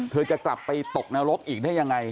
เธอจะกลับไปตกนรกอีกได้อย่างไร